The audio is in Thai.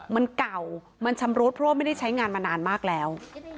มันเก่ามันชำรุดเพราะว่าไม่ได้ใช้งานมานานมากแล้ว